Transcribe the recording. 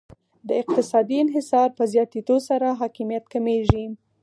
د اقتصادي انحصار په زیاتیدو سره حاکمیت کمیږي